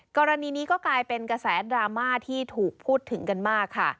กรณีนี้ก็กลายเป็นกระแสดราม่าที่ถูกพูดถึงกันมากค่ะ